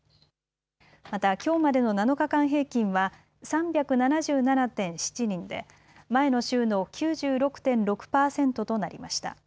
また、きょうまでの７日間平均は３７７．７人で前の週の９６．６％となりました。